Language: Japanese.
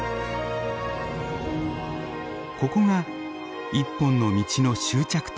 ここが一本の道の終着点。